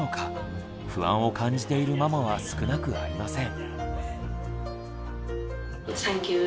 不安を感じているママは少なくありません。